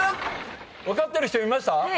分かってる人いました？